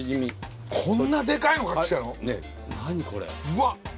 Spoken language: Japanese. うわっ！